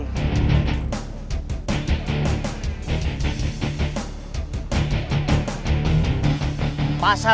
masih di pasar